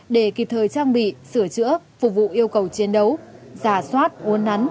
để kịp thời trang bị sửa chữa phục vụ yêu cầu chiến đấu giả soát uốn nắn